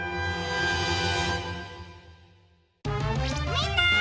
みんな！